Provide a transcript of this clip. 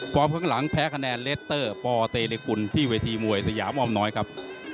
ข้างหลังแพ้คะแนนเลสเตอร์ปเตรกุลที่เวทีมวยสยามอ้อมน้อยครับ